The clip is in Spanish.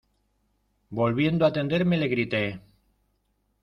volviendo a tenderme le grité: